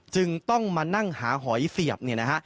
จึงต้องมานั่งหาหอยเสียบ